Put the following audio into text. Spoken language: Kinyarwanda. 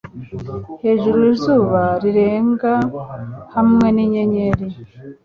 Hejuru izuba rirenga hamwe ninyenyeri